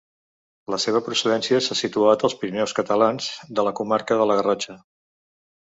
La seva procedència s'ha situat als Pirineus catalans de la comarca de la Garrotxa.